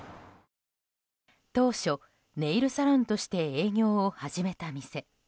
当初、ネイルサロンとして営業を始めた店。